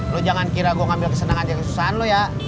lo jangan kira gue ngambil kesenangan aja kesusahan lo ya